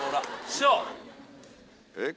師匠！